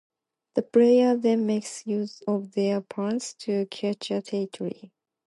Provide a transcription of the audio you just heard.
The player then makes use of these pawns to capture territory.